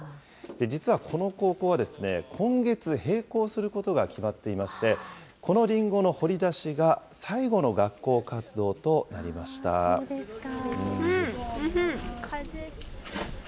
実はこの高校は、今月閉校することが決まっていまして、このりんごの掘り出しが最後の学校活動とそうですか。